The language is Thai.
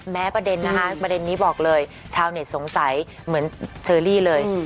ประเด็นนะคะประเด็นนี้บอกเลยชาวเน็ตสงสัยเหมือนเชอรี่เลย